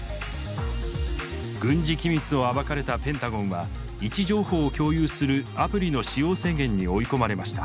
軍事機密を暴かれたペンタゴンは位置情報を共有するアプリの使用制限に追い込まれました。